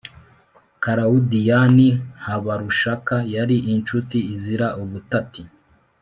karawudiyani habarushaka yari ishuti izira ubutati